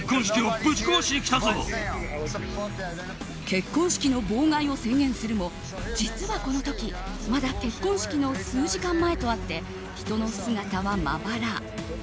結婚式の妨害を宣言するも実はこの時まだ結婚式の数時間前とあって人の姿はまばら。